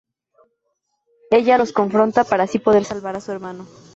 Ella los confronta para así poder salvar a su hermano.